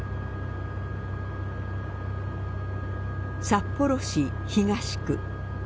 札幌市東区。